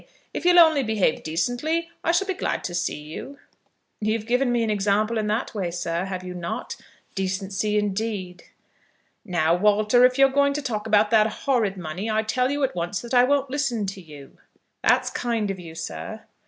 If you'll only behave decently, I shall be glad to see you." "You've given me an example in that way, sir; have you not? Decency indeed!" "Now, Walter, if you're going to talk about that horrid money, I tell you at once, that I won't listen to you." "That's kind of you, sir."